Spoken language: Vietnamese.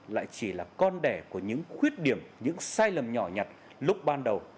lại chỉ là con đẻ của những khuyết điểm những sai lầm nhỏ nhặt lúc ban đầu